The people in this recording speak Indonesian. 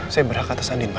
saya berhak atas andin pak